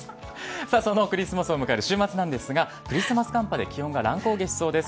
そのクリスマスを迎える週末なんですがクリスマス寒波で気温が乱高下しそうです。